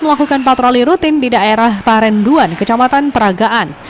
melakukan patroli rutin di daerah parenduan kecamatan peragaan